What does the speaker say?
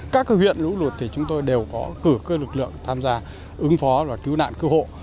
các huyện lũ lụt thì chúng tôi đều có cử cơ lực lượng tham gia ứng phó và cứu nạn cứu hộ